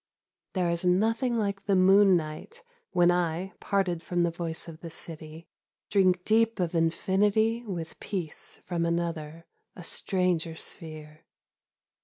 There is nothing like the moon night When I, parted from the v^oice of the city, Drink deep of Infinity with peace From another, a stranger sphere.